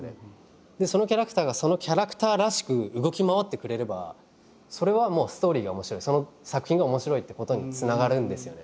そのキャラクターがそのキャラクターらしく動き回ってくれればそれはもうストーリーが面白いその作品が面白いってことにつながるんですよね。